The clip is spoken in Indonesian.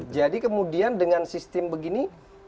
jadi kemudian dengan sistem begini